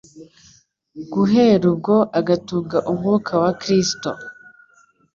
Guhera ubwo agatunga Umwuka wa Kristo.